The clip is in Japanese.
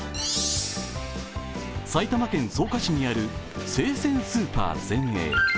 埼玉県草加市にある生鮮スーパーゼンエー。